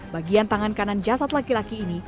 bagian tangan kanan jasad laki laki ini